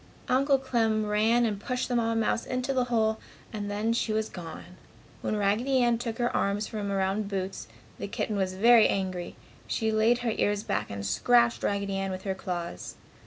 Uncle Clem ran and pushed the Mamma mouse into the hole and then she was gone. When Raggedy Ann took her arms from around Boots, the kitten was very angry. She laid her ears back and scratched Raggedy Ann with her claws.